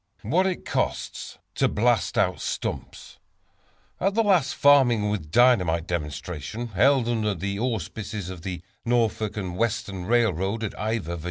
What it Costs to Blast Out Stumps. At the latest "Farming with Dynamite" demonstration, held under the auspices of the Norfolk and Western Railroad, at Ivor, Va.